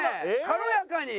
軽やかに。